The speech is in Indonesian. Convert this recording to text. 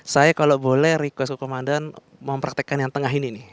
saya kalau boleh request komandan mempraktekkan yang tengah ini nih